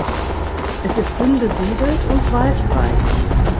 Es ist dünn besiedelt und waldreich.